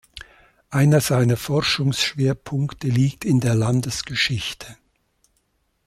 Einer seiner Forschungsschwerpunkte liegt in der Landesgeschichte.